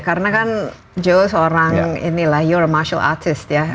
karena kan jo seorang you're a martial artist ya